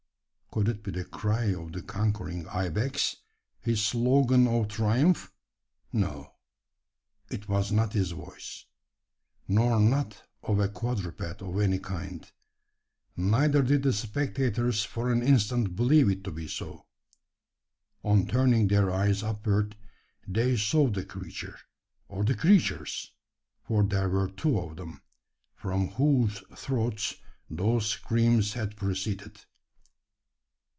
Could it be the cry of the conquering ibex his slogan of triumph? No; it was not his voice, nor that of a quadruped of any kind. Neither did the spectators for an instant believe it to be so. On turning their eyes upward, they saw the creature, or the creatures for there were two of them from whose throats those screams had proceeded.